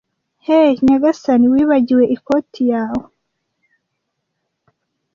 Hey nyagasani, wibagiwe ikoti yawe!